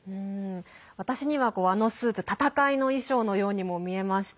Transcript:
私には、あのスーツ闘いの衣装のようにも見えました。